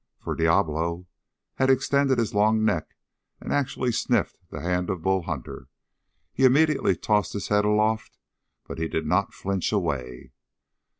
For Diablo had extended his long neck and actually sniffed the hand of Bull Hunter. He immediately tossed his head aloft, but he did not flinch away.